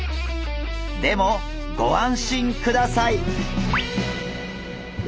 でもご安心ください！